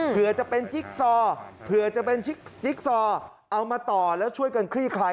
เผื่อจะเป็นจิ๊กซอเอามาต่อแล้วช่วยกันคลี่คลาย